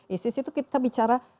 isis itu kita bicara